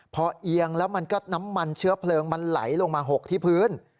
พอเอียงแล้วมันก็น้ำมันเชื้อเพลิงมันไหลลงมาหกที่พื้น